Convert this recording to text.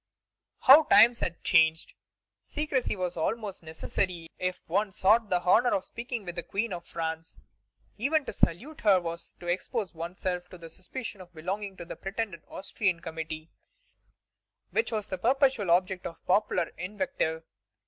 How times had changed! Secrecy was almost necessary if one sought the honor of speaking with the Queen of France. Even to salute her was to expose one's self to the suspicion of belonging to the pretended Austrian committee which was the perpetual object of popular invective.